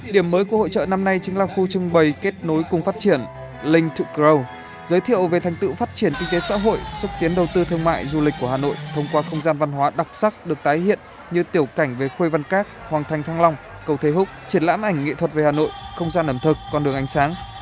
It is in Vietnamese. điểm mới của hội trợ năm nay chính là khu trưng bày kết nối cùng phát triển link to grow giới thiệu về thành tựu phát triển kinh tế xã hội xúc tiến đầu tư thương mại du lịch của hà nội thông qua không gian văn hóa đặc sắc được tái hiện như tiểu cảnh về khuê văn các hoàng thành thăng long cầu thế húc triển lãm ảnh nghệ thuật về hà nội không gian ẩm thực con đường ánh sáng